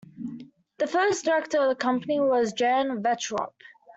The first director of the company was Jan Velterop.